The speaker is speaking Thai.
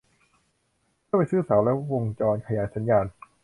เพื่อไปซื้อเสาและวงจรขยายสัญญาณ